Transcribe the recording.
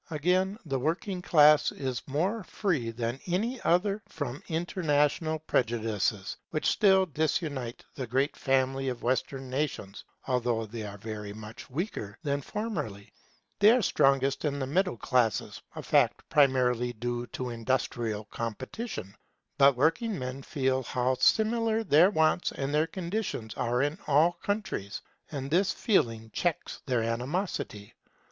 Again, the working class is more free than any other from international prejudices, which still disunite the great family of Western nations, although they are very much weaker than formerly. They are strongest in the middle classes, a fact principally due to industrial competition. But working men feel how similar their wants and their conditions are in all countries, and this feeling checks their animosity.